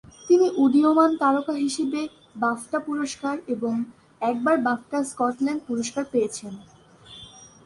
তিনি উদীয়মান তারকা হিসেবে বাফটা পুরস্কার ও একবার বাফটা স্কটল্যান্ড পুরস্কার পেয়েছেন।